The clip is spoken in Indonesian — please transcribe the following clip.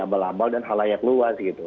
lalu lb abal abal dan hal lain yang luas gitu